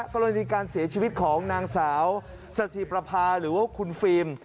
กรณีการเสียชีวิตของนางสาวสถิประพาหรือว่าคุณฟิล์ม